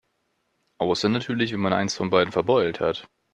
Außer natürlich, wenn man eins von beiden verbeult hat.